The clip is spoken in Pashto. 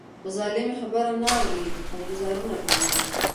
خو ظالم يې خبره نه اوري او ګوزارونه کوي.